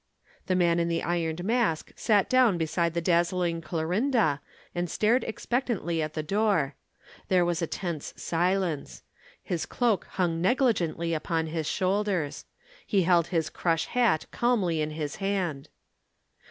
The Man in the Ironed Mask sat down beside the dazzling Clorinda and stared expectantly at the door. There was a tense silence. His cloak hung negligently upon his shoulders. He held his crush hat calmly in his hand.